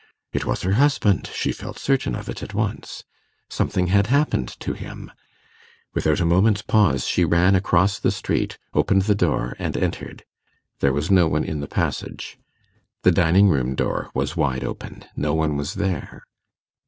It was her husband; she felt certain of it at once. Something had happened to him. Without a moment's pause, she ran across the street, opened the door, and entered. There was no one in the passage. The dining room door was wide open no one was there.